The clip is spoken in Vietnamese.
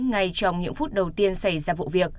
ngay trong những phút đầu tiên xảy ra vụ việc